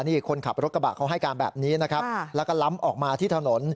นี่คนขับรถกระบะเขาให้การแบบนี้นะครับแล้วก็ล้ำออกมาที่ถนน